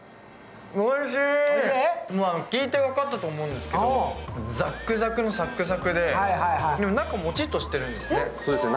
聞いてわかったと思うんですけど、ザックザクのサックサクで、でも中もちっとしてるんですね。